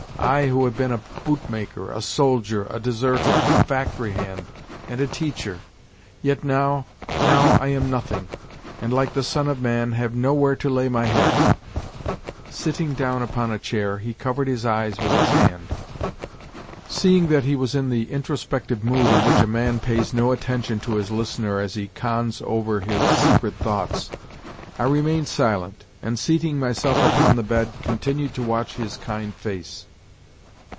—I who have been a bootmaker, a soldier, a deserter, a factory hand, and a teacher! Yet now—now I am nothing, and, like the Son of Man, have nowhere to lay my head." Sitting down upon a chair, he covered his eyes with his hand. Seeing that he was in the introspective mood in which a man pays no attention to his listener as he cons over his secret thoughts, I remained silent, and, seating myself upon the bed, continued to watch his kind face.